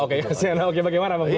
kasian ahoknya bagaimana